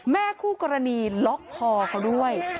คู่กรณีล็อกคอเขาด้วย